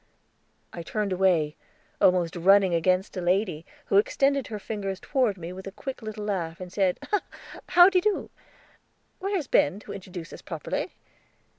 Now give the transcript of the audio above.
I turned away, almost running against a lady, who extended her fingers toward me with a quick little laugh, and said: "How de do? Where's Ben, to introduce us properly?"